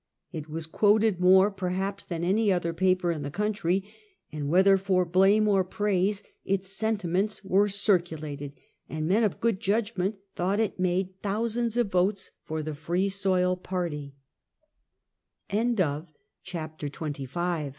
It was quoted more perhaps than any other paper in the country, and whether for blame or praise, its sentiments were circulated, and men of good judgment thought it made thousands of votes for the Free Soi